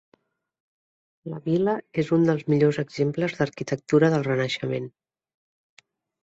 La vil·la és un dels millors exemples d'arquitectura del Renaixement.